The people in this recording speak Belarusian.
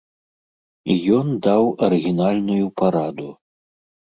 І ён даў арыгінальную параду.